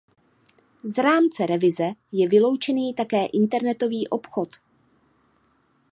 Z rámce revize je vyloučený také internetový obchod.